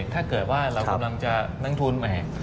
ถ้าเกิดว่าเรากำลังจะนั่งทุนใหม่